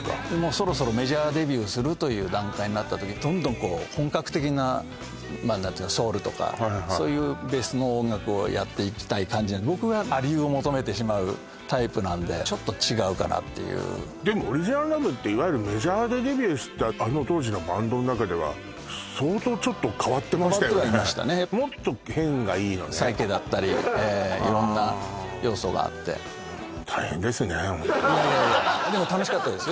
そろそろメジャーデビューするという段階になった時にどんどん本格的なソウルとかそういうベースの音楽をやっていきたい感じで僕は亜流を求めてしまうタイプなんでちょっと違うかなっていうでもＯｒｉｇｉｎａｌＬｏｖｅっていわゆるメジャーでデビューしたあの当時のバンドの中では変わってはいましたねサイケだったり色んな要素があっていやいやいやでも楽しかったですよ